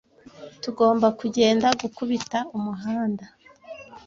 tugomba kugenda gukubita umuhanda